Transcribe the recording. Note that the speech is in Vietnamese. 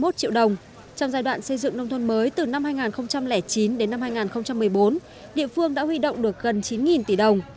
trong giai đoạn xây dựng nông thôn mới từ năm hai nghìn chín đến năm hai nghìn một mươi bốn địa phương đã huy động được gần chín tỷ đồng